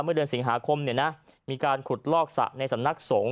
เมื่อเดือนสิงหาคมมีการขุดลอกสระในสำนักสงฆ